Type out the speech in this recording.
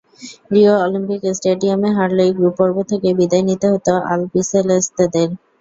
Rio Olympic স্টেডিয়ামে হারলেই group পর্ব থেকেই বিদায় নিতে হতো আলবিসেলেস্তেদের।